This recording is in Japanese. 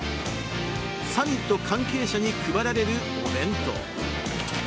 サミット関係者に配られるお弁当。